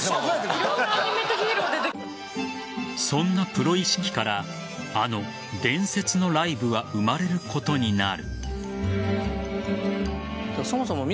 そんなプロ意識からあの伝説のライブは生まれることになる。